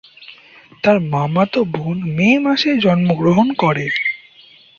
তার মামাতো বোন মে মাসে জন্মগ্রহণ করে।